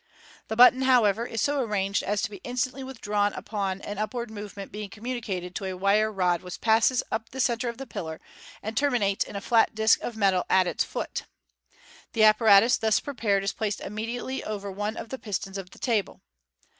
This button, how ever, is so arranged as to be instantly withdrawn upon an upward movement being communicated to a wire rod which passes up the centre of the pillar, and terminates in a flat disc of metal at its foot. The apparatus, thus prepared, is placed immediately over one of the 45* MODERN MAGIC. pistons of the table.